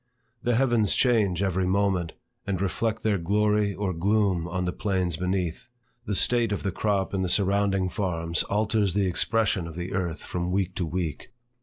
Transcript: The heavens change every moment, and reflect their glory or gloom on the plains beneath. The state of the crop in the surrounding farms alters the expression of the earth from week to week.